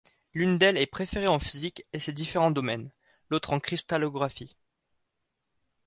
L'une d'elles est préférée en physique et ses différents domaines, l'autre en cristallographie.